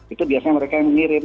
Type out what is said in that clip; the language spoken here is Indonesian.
itu biasanya mereka yang mengirim